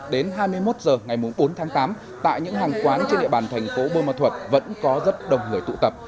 đến hai mươi một h ngày bốn tháng tám tại những hàng quán trên địa bàn thành phố bôn ma thuật vẫn có rất đông người tụ tập